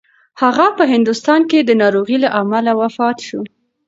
هغه په هندوستان کې د ناروغۍ له امله وفات شو.